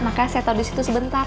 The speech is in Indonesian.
makanya saya tahu di situ sebentar